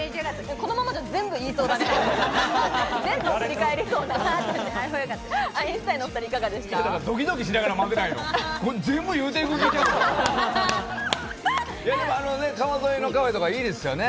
このままじゃ全部言いそうだね。